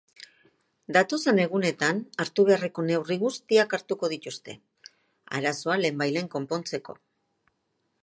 Datozen egunetan hartu beharreko neurri guztiak hartuko dituzte, arazoa lehenbailehen konpontzeko.